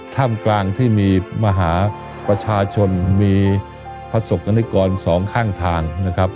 ถ้ามกลางที่มีมหาประชาชนมีพศกรรมนิกรสองข้างทาง